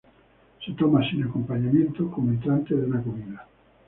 Se toma sin acompañamiento, como entrante de una comida.